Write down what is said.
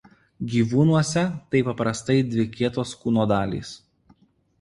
Gyvūnuose tai paprastai dvi kietos kūno dalys.